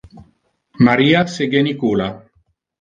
Maria se genicula.